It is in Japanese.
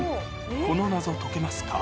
この謎解けますか？